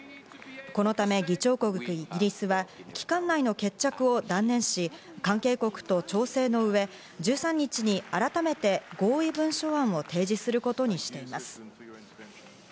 このため議長国イギリスは期間内の決着を断念し、関係国と調整の上、１３日に改めて合意文書案を提示することにしています。